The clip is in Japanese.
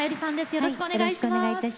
よろしくお願いします。